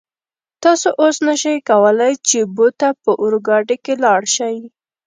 تاسو اوس نشئ کولای چې بو ته په اورګاډي کې لاړ شئ.